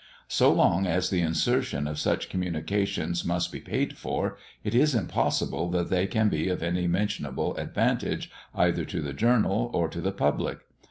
So long as the insertion of such communications must be paid for, it is impossible that they can be of any mentionable advantage either to the journal or to the public.